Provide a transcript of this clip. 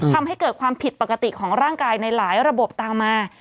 ทำให้เกิดความผิดปกติของร่างกายในหลายระบบตามมา